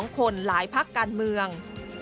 ๑๒คนหลายภาคการเมือง